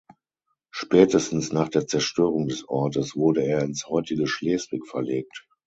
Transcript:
Spätestens nach der Zerstörung des Ortes wurde er ins heutige Schleswig verlegt.